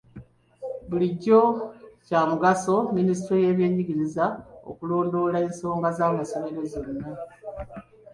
Bulijjo kya mugaso minisitule y'ebyenjigiriza okulondoola ensonga z'amasomero zonna.